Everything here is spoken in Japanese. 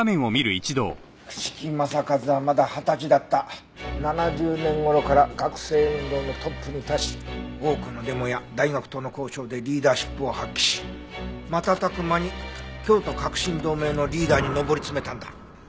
朽木政一はまだ二十歳だった７０年頃から学生運動のトップに立ち多くのデモや大学との交渉でリーダーシップを発揮し瞬く間に京都革新同盟のリーダーに上り詰めたんだ。